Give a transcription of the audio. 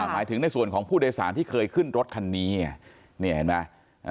หมายถึงในส่วนของผู้โดยสารที่เคยขึ้นรถคันนี้นี่เห็นไหม